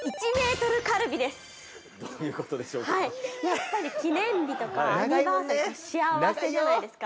◆やっぱり記念日とか、アニバーサリーって、幸せじゃないですか。